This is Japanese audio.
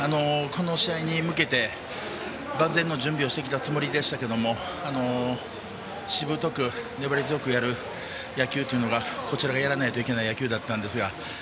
この試合に向けて万全の準備をしてきたつもりでしたけどしぶとく粘り強くやる野球というのがこちらがやらないといけない野球だったんですが。